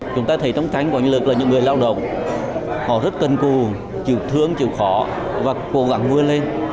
chúng ta thấy trong cánh quảng lực là những người lao động họ rất cân cù chịu thương chịu khó và cố gắng vươn lên